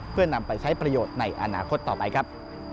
เพื่อนำไปใช้ประโยชน์ในอนาคตต่อไปครับ